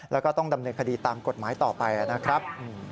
แล้วก็ต้องดำเนินคดีตามกฎหมายต่อไปนะครับ